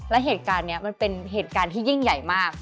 และเหตุการณ์นี้มันเป็นเหตุการณ์ที่ยิ่งใหญ่มาก